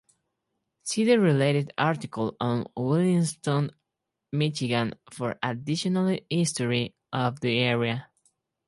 See the related article on Williamston, Michigan for additional history of the area.